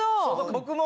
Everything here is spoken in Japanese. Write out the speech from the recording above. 僕も。